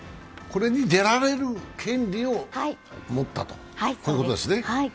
これに出られる権利を持ったということですね。